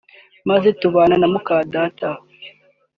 maze tubana na mukadata